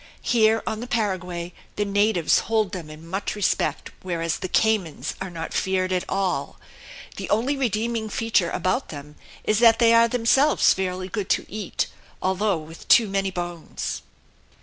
Here on the Paraguay the natives hold them in much respect, whereas the caymans are not feared at all. The only redeeming feature about them is that they are themselves fairly good to eat, although with too many bones.